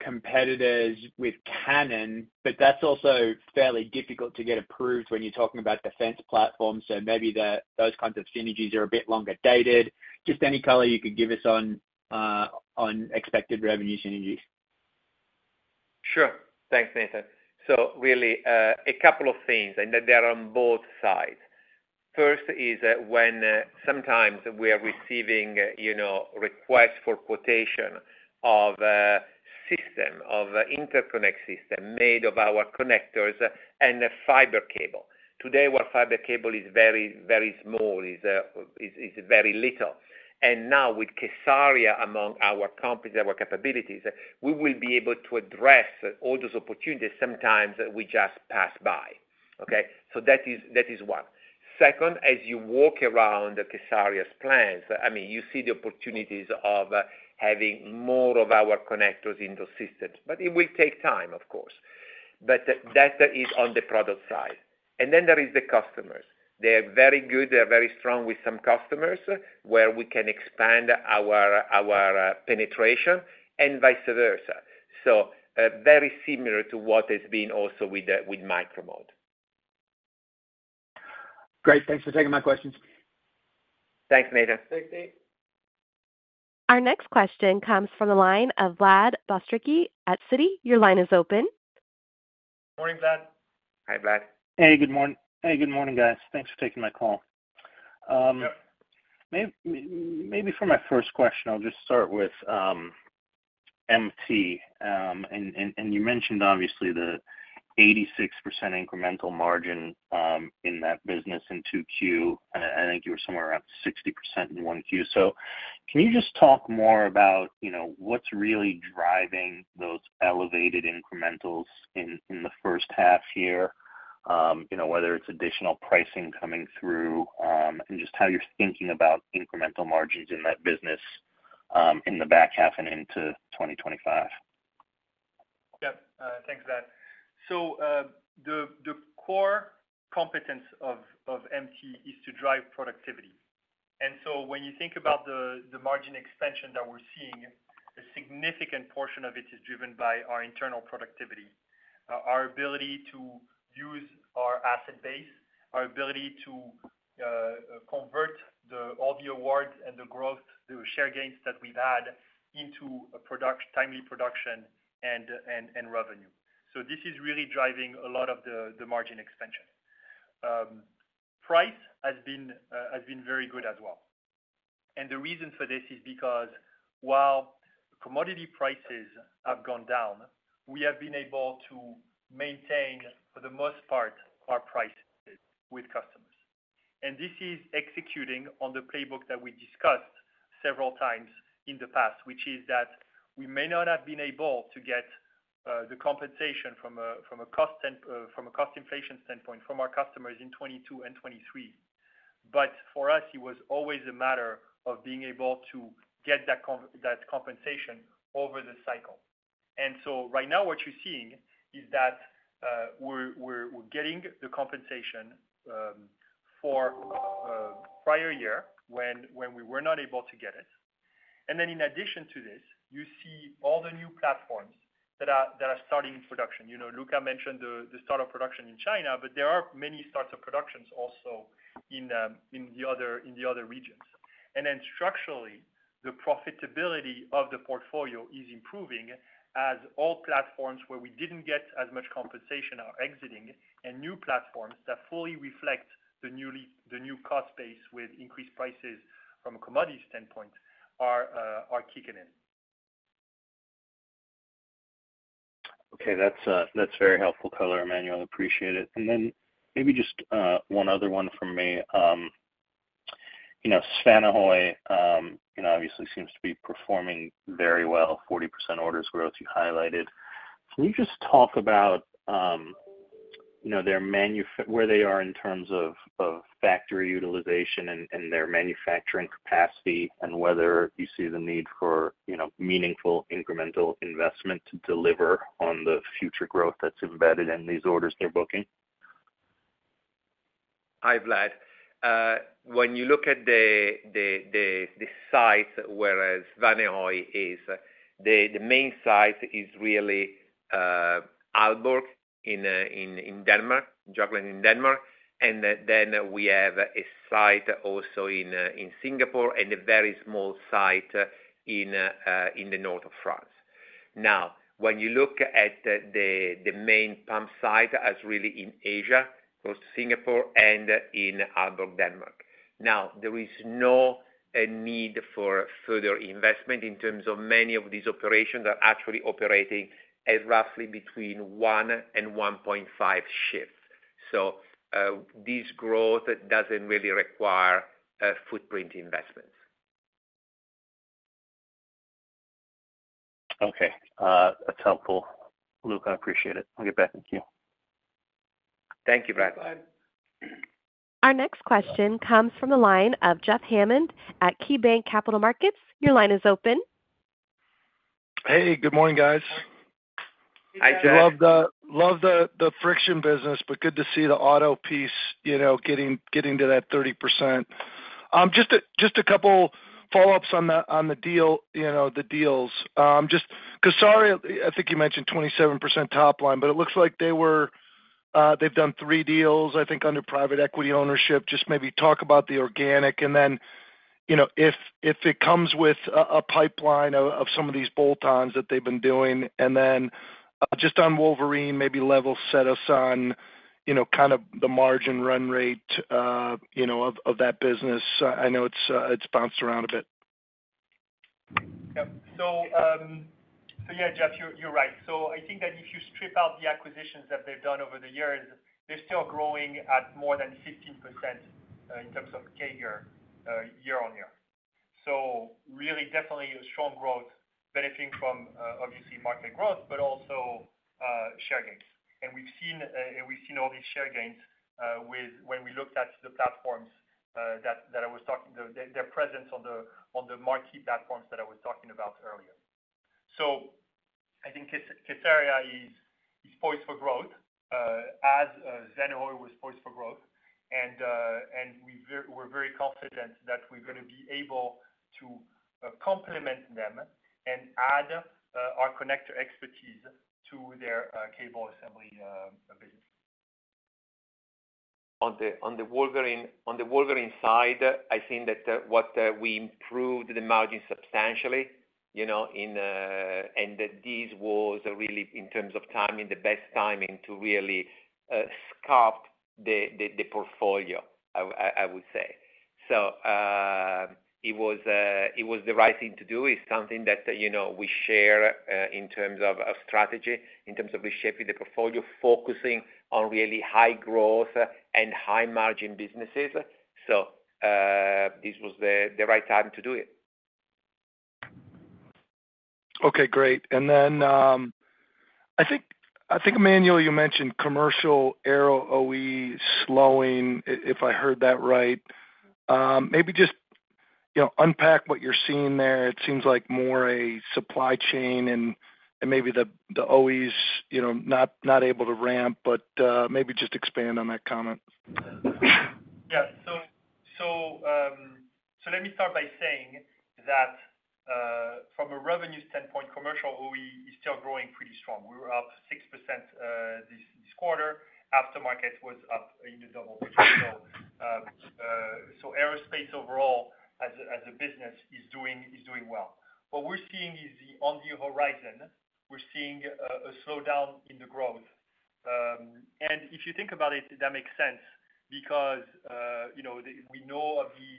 competitors with Cannon, but that's also fairly difficult to get approved when you're talking about defense platforms. So maybe those kinds of synergies are a bit longer dated. Just any color you could give us on expected revenue synergies. Sure. Thanks, Nathan. So really, a couple of things, and they're on both sides. First is when sometimes we are receiving requests for quotation of interconnect system made of our connectors and fiber cable. Today, our fiber cable is very, very small. It's very little. And now with kSARIA, among our companies, our capabilities, we will be able to address all those opportunities. Sometimes we just pass by. Okay? So that is one. Second, as you walk around kSARIA's plants, I mean, you see the opportunities of having more of our connectors in those systems. But it will take time, of course. But that is on the product side. And then there is the customers. They're very good. They're very strong with some customers where we can expand our penetration and vice versa. So very similar to what has been also with Micro-Mode. Great. Thanks for taking my questions. Thanks, Nathan. Thanks, Nate. Our next question comes from the line of Vlad Bystricky at Citi. Your line is open. Good morning, Vlad. Hi, Vlad. Hey, good morning. Hey, good morning, guys. Thanks for taking my call. Maybe for my first question, I'll just start with MT. And you mentioned, obviously, the 86% incremental margin in that business in Q2. I think you were somewhere around 60% in Q1. So can you just talk more about what's really driving those elevated incrementals in the first half year, whether it's additional pricing coming through and just how you're thinking about incremental margins in that business in the back half and into 2025? Yeah. Thanks, Vlad. So the core competence of MT is to drive productivity. And so when you think about the margin expansion that we're seeing, a significant portion of it is driven by our internal productivity, our ability to use our asset base, our ability to convert all the awards and the growth, the share gains that we've had into timely production and revenue. So this is really driving a lot of the margin expansion. Price has been very good as well. The reason for this is because while commodity prices have gone down, we have been able to maintain, for the most part, our prices with customers. This is executing on the playbook that we discussed several times in the past, which is that we may not have been able to get the compensation from a cost inflation standpoint from our customers in 2022 and 2023. But for us, it was always a matter of being able to get that compensation over the cycle. So right now, what you're seeing is that we're getting the compensation for prior year when we were not able to get it. Then in addition to this, you see all the new platforms that are starting production. Luca mentioned the start of production in China, but there are many starts of productions also in the other regions. And then structurally, the profitability of the portfolio is improving as all platforms where we didn't get as much compensation are exiting, and new platforms that fully reflect the new cost base with increased prices from a commodity standpoint are kicking in. Okay. That's very helpful, Emmanuel. I appreciate it. And then maybe just one other one from me. Svanehøj obviously seems to be performing very well, 40% orders growth you highlighted. Can you just talk about where they are in terms of factory utilization and their manufacturing capacity and whether you see the need for meaningful incremental investment to deliver on the future growth that's embedded in these orders they're booking? Hi, Vlad. When you look at the size where Svanehøj is, the main size is really Aalborg in Denmark, Jutland in Denmark. Then we have a site also in Singapore and a very small site in the north of France. Now, when you look at the main pump site as really in Asia close to Singapore and in Aalborg, Denmark. Now, there is no need for further investment in terms of many of these operations that are actually operating at roughly between 1 and 1.5 shifts. So this growth doesn't really require footprint investments. Okay. That's helpful. Luca, I appreciate it. I'll get back in the queue. Thank you, Vlad. Our next question comes from the line of Jeff Hammond at KeyBanc Capital Markets. Your line is open. Hey, good morning, guys. Hi, Jeff. Love the friction business, but good to see the auto piece getting to that 30%. Just a couple of follow-ups on the deals. kSARIA, I think you mentioned 27% top line, but it looks like they've done three deals, I think, under private equity ownership. Just maybe talk about the organic. And then if it comes with a pipeline of some of these bolt-ons that they've been doing, and then just on Wolverine, maybe level set us on kind of the margin run rate of that business. I know it's bounced around a bit. Yep. So yeah, Jeff, you're right. So I think that if you strip out the acquisitions that they've done over the years, they're still growing at more than 15% in terms of CAGR year-on-year. So really, definitely a strong growth, benefiting from, obviously, market growth, but also share gains. And we've seen all these share gains when we looked at the platforms that I was talking about, their presence on the marquee platforms that I was talking about earlier. So I think kSARIA is poised for growth as Svanehøj was poised for growth. And we're very confident that we're going to be able to complement them and add our connector expertise to their cable assembly business. On the Wolverine side, I think that we improved the margin substantially, and that this was really, in terms of timing, the best timing to really sculpt the portfolio, I would say. So it was the right thing to do. It's something that we share in terms of strategy, in terms of reshaping the portfolio, focusing on really high growth and high margin businesses. So this was the right time to do it. Okay. Great. And then I think, Emmanuel, you mentioned commercial aero OE slowing, if I heard that right. Maybe just unpack what you're seeing there. It seems like more a supply chain and maybe the OEs not able to ramp, but maybe just expand on that comment. Yeah. So let me start by saying that from a revenue standpoint, commercial OE is still growing pretty strong. We were up 6% this quarter. Aftermarket was up in the double digits. So aerospace overall as a business is doing well. What we're seeing is on the horizon, we're seeing a slowdown in the growth. And if you think about it, that makes sense because we know of the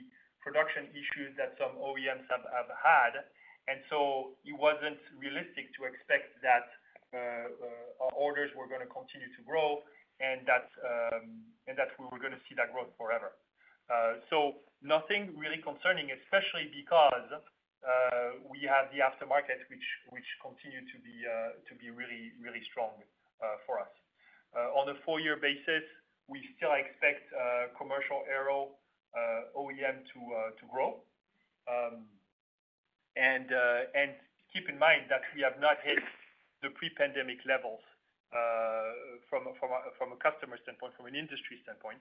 production issues that some OEMs have had. And so it wasn't realistic to expect that our orders were going to continue to grow and that we were going to see that growth forever. So nothing really concerning, especially because we have the aftermarket which continues to be really, really strong for us. On a four-year basis, we still expect commercial aero OEM to grow. And keep in mind that we have not hit the pre-pandemic levels from a customer standpoint, from an industry standpoint.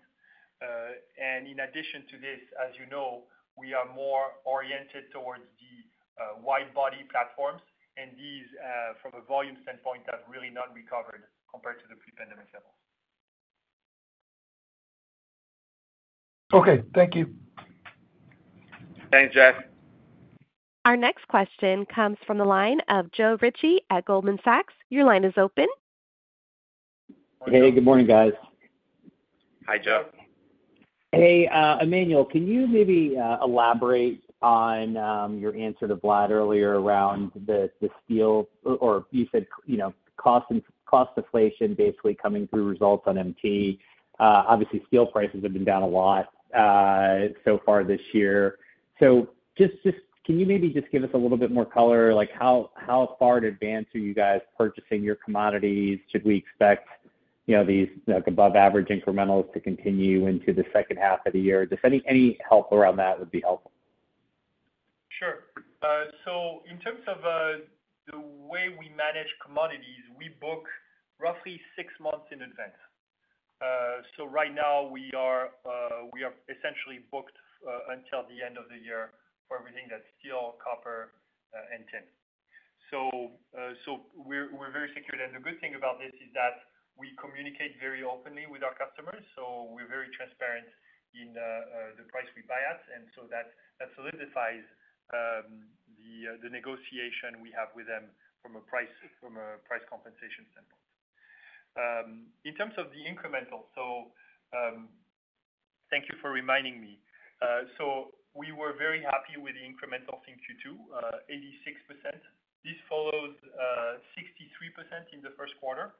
And in addition to this, as you know, we are more oriented towards the wide-body platforms. And these, from a volume standpoint, have really not recovered compared to the pre-pandemic levels. Okay. Thank you. Thanks, Jeff. Our next question comes from the line of Joe Ritchie at Goldman Sachs. Your line is open. Hey, good morning, guys. Hi, Jeff. Hey, Emmanuel, can you maybe elaborate on your answer to Vlad earlier around the steel? Or you said cost inflation basically coming through results on MT. Obviously, steel prices have been down a lot so far this year. So can you maybe just give us a little bit more color? How far in advance are you guys purchasing your commodities? Should we expect these above-average incrementals to continue into the second half of the year? Just any help around that would be helpful. Sure. In terms of the way we manage commodities, we book roughly six months in advance. Right now, we are essentially booked until the end of the year for everything that's steel, copper, and tin. We're very secure. The good thing about this is that we communicate very openly with our customers. We're very transparent in the price we buy at. That solidifies the negotiation we have with them from a price compensation standpoint. In terms of the incremental, thank you for reminding me. We were very happy with the incremental since Q2, 86%. This follows 63% in the first quarter.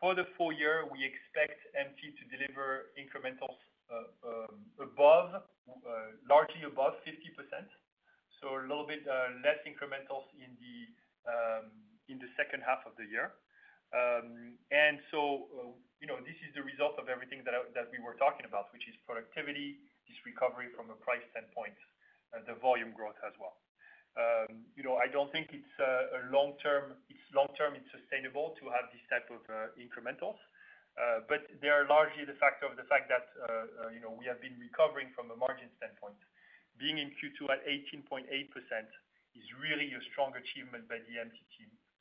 For the full year, we expect MT to deliver incrementals largely above 50%. So a little bit less incrementals in the second half of the year. And so this is the result of everything that we were talking about, which is productivity, this recovery from a price standpoint, the volume growth as well. I don't think it's long-term. It's long-term, it's sustainable to have this type of incrementals. But they are largely the factor of the fact that we have been recovering from a margin standpoint. Being in Q2 at 18.8% is really a strong achievement by the MT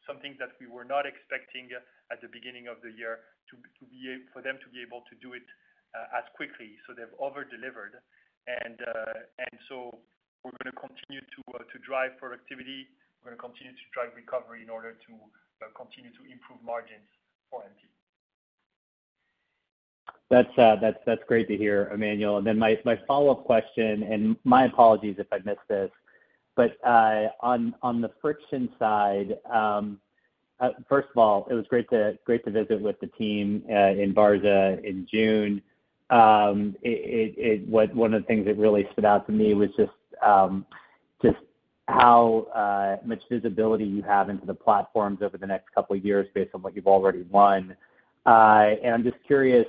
team, something that we were not expecting at the beginning of the year for them to be able to do it as quickly. So they've over-delivered. And so we're going to continue to drive productivity. We're going to continue to drive recovery in order to continue to improve margins for MT. That's great to hear, Emmanuel. And then my follow-up question, and my apologies if I missed this, but on the friction side, first of all, it was great to visit with the team in Barge in June. One of the things that really stood out to me was just how much visibility you have into the platforms over the next couple of years based on what you've already won. And I'm just curious,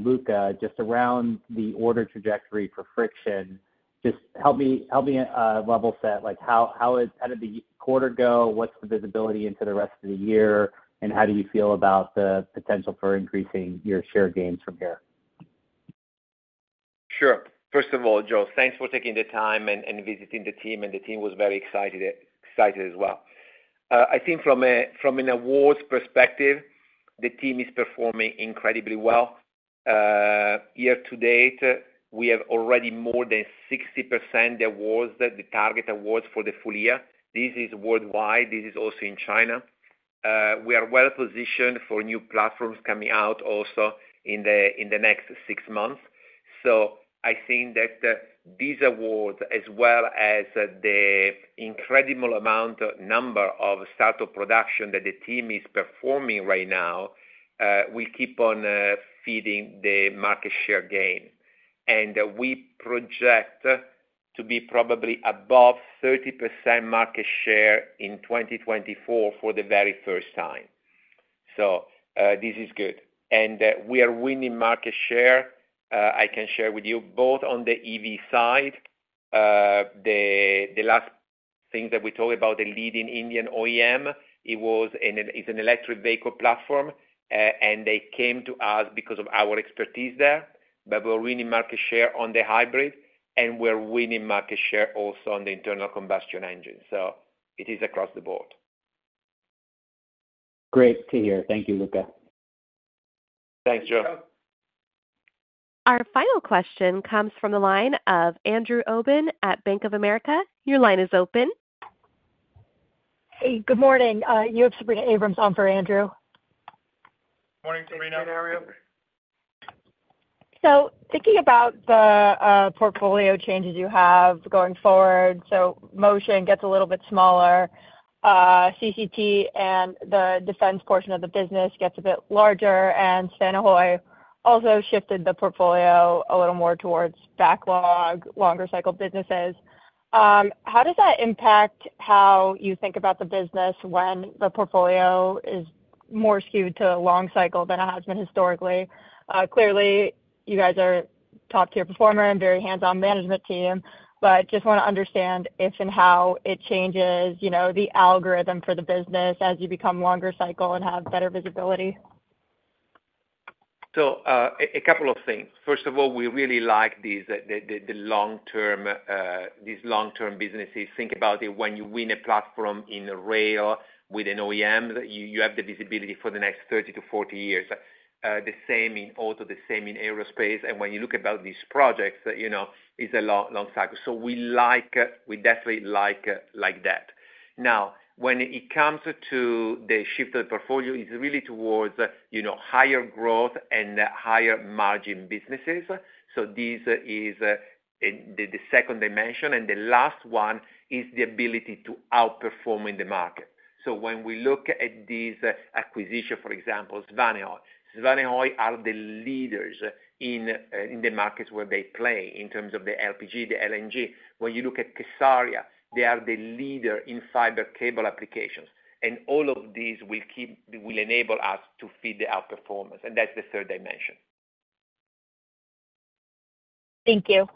Luca, just around the order trajectory for friction, just help me level set. How did the quarter go? What's the visibility into the rest of the year? And how do you feel about the potential for increasing your share gains from here? Sure. First of all, Joe, thanks for taking the time and visiting the team. The team was very excited as well. I think from an awards perspective, the team is performing incredibly well. Year to date, we have already more than 60% awards, the target awards for the full year. This is worldwide. This is also in China. We are well-positioned for new platforms coming out also in the next six months. So I think that these awards, as well as the incredible amount number of startup production that the team is performing right now, will keep on feeding the market share gain. And we project to be probably above 30% market share in 2024 for the very first time. So this is good. And we are winning market share, I can share with you, both on the EV side. The last thing that we talked about, the leading Indian OEM, it's an electric vehicle platform. And they came to us because of our expertise there. But we're winning market share on the hybrid. And we're winning market share also on the internal combustion engine. So it is across the board. Great to hear. Thank you, Luca. Thanks, Joe. Our final question comes from the line of Andrew Obin at Bank of America. Your line is open. Hey, good morning. You have Sabrina Abrams on for Andrew. Morning, Sabrina. So thinking about the portfolio changes you have going forward, so Motion gets a little bit smaller, CCT, and the defense portion of the business gets a bit larger. And Svanehøj also shifted the portfolio a little more towards backlog, longer-cycle businesses. How does that impact how you think about the business when the portfolio is more skewed to a long cycle than it has been historically? Clearly, you guys are top-tier performer and very hands-on management team. But just want to understand if and how it changes the algorithm for the business as you become longer-cycle and have better visibility. So a couple of things. First of all, we really like the long-term businesses. Think about it. When you win a platform in rail with an OEM, you have the visibility for the next 30 to 40 years. The same in auto, the same in aerospace. And when you look about these projects, it's a long cycle. So we definitely like that. Now, when it comes to the shift of the portfolio, it's really towards higher growth and higher margin businesses. So this is the second dimension. And the last one is the ability to outperform in the market. So when we look at these acquisitions, for example, Svanehøj. Svanehøj are the leaders in the markets where they play in terms of the LPG, the LNG. When you look at kSARIA, they are the leader in fiber cable applications. And all of these will enable us to feed the outperformance. And that's the third dimension. Thank you.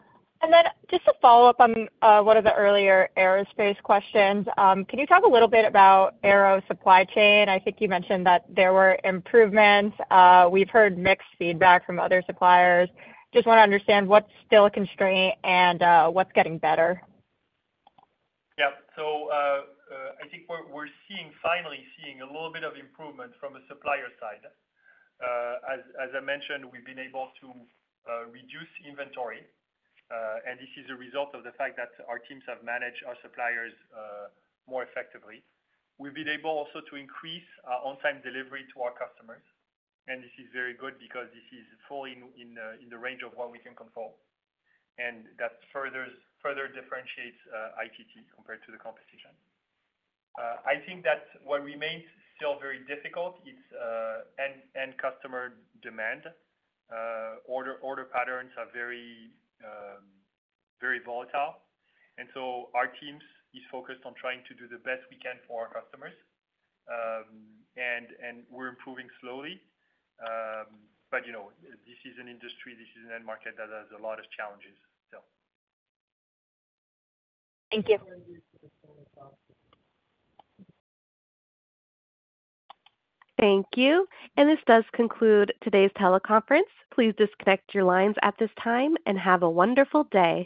And then just to follow up on one of the earlier aerospace questions, can you talk a little bit about aero supply chain? I think you mentioned that there were improvements. We've heard mixed feedback from other suppliers. Just want to understand what's still a constraint and what's getting better. Yep. So I think we're finally seeing a little bit of improvement from the supplier side. As I mentioned, we've been able to reduce inventory. And this is a result of the fact that our teams have managed our suppliers more effectively. We've been able also to increase our on-time delivery to our customers. This is very good because this is fully in the range of what we can control. That further differentiates ITT compared to the competition. I think that what remains still very difficult is end-customer demand. Order patterns are very volatile. So our team is focused on trying to do the best we can for our customers. We're improving slowly. But this is an industry, this is an end market that has a lot of challenges, so. Thank you. Thank you. This does conclude today's teleconference. Please disconnect your lines at this time and have a wonderful day.